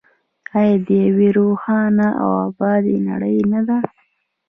آیا د یوې روښانه او ابادې نړۍ نه ده؟